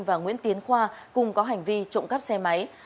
và nguyễn tiến khoa cùng có hành vi trộm cắp xe máy